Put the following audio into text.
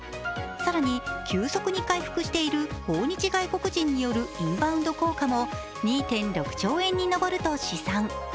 更に急速に回復している訪日外国人によるインバウンド効果も２．６兆円に上ると試算。